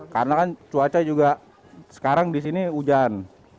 karena kan cuaca juga sekarang disini hujan